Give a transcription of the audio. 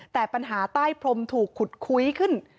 แต่ปัญหาใต้พรมถูกขุดคุ้ยขึ้น